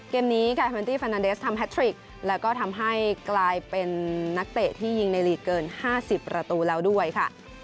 เกมนี้กายเฟนตี้แฟนนันเดสทำแททริกแล้วก็ทำให้กลายเป็นนักเตะที่ยิงในลีกเกิน๕๐ประตูแล้วด้วยค่ะ